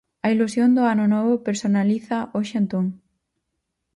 A ilusión do ano novo personalízaa hoxe Antón.